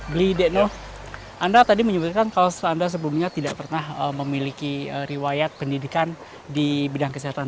bli dekno anda tadi menyebutkan kalau anda sebelumnya tidak pernah memiliki riwayat pendidikan di bidang kesehatan